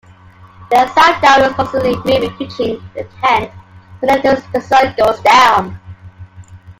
They are sundowners, constantly moving, pitching their tent whenever the sun goes down.